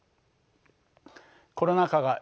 コロナ禍がＤＸ